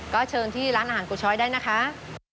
ก็เชิญที่ร้านอาหารกุช้อยได้นะคะ